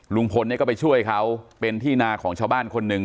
ลุงพลเนี่ยก็ไปช่วยเขาเป็นที่นาของชาวบ้านคนหนึ่ง